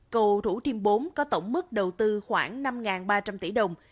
cầu thủ thiêm bốn có tổng mức đầu tư khoảng năm ba trăm linh tỷ đồng